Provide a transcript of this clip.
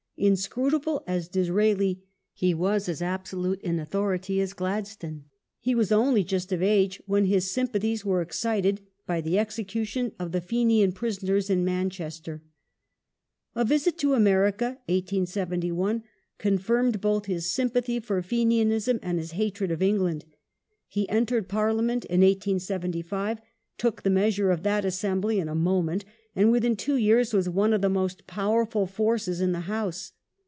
Inscrutable as Disraeli, he was as absolute in authority as Gladstone. He was only just of age ^ when his sym pathies were excited by the execution of the Fenian prisoners in Manchester. A visit to America (1871) confirmed both his sympathy for Fenianism and his hatred of England. He entered Pai liament in 1875, took the measure of that assembly in a moment, and within two years was one of the most powerful forces in the House.